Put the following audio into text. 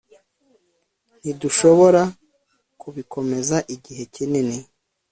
ntidushobora kubikomeza igihe kinini